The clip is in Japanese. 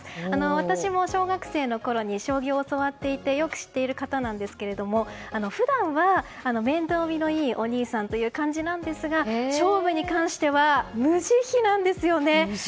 私も小学生のころに将棋を教わっていてよく知っている方ですが普段は面倒見のいいお兄さんという感じなんですが勝負に関しては無慈悲なんですよね。